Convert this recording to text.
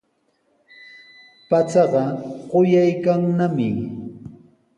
Pachaqa quyaykannami.